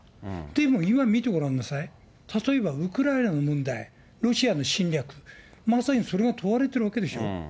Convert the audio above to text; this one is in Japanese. でも今見てごらんなさい、例えば、ウクライナの問題、ロシアの侵略、まさにそれが問われてるわけでしょ。